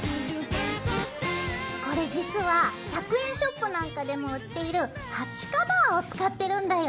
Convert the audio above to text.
これ実は１００円ショップなんかでも売っている鉢カバーを使ってるんだよ！